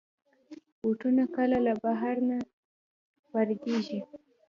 بوټونه کله له بهر نه واردېږي.